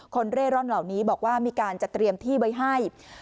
เร่ร่อนเหล่านี้บอกว่ามีการจะเตรียมที่ไว้ให้